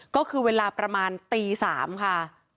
ก็คือเวลาประมาณตี๓ค่ะ